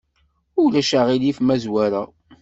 Ulac aɣilif ma zwareɣ?